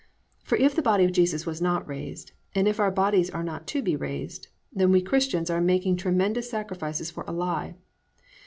For if the body of Jesus was not raised, and if our bodies are not to be raised, then we Christians are making tremendous sacrifices for a lie.